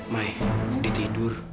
mai dia tidur